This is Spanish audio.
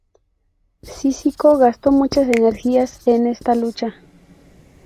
Cícico gastó muchas energías en esta lucha.